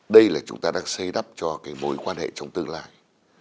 đây là chúng ta đang xây đắp cho cái mối quan hệ trong tương lai